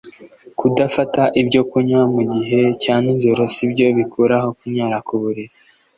Kudafata ibyo kunywa mu gihe cya nijoro sibyo bikuraho kunyara ku buriri